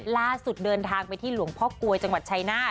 เดินทางไปที่หลวงพ่อกลวยจังหวัดชายนาฏ